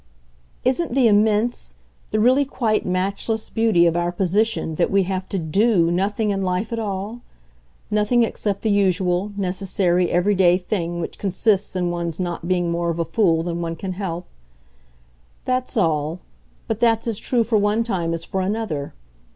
"Isn't the immense, the really quite matchless beauty of our position that we have to 'do' nothing in life at all? nothing except the usual, necessary, everyday thing which consists in one's not being more of a fool than one can help. That's all but that's as true for one time as for another.